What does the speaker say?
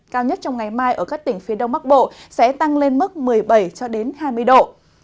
cao nhất trong ngày mai ở các tỉnh phía đông bắc bộ sẽ tăng lên mức một mươi bảy hai mươi độ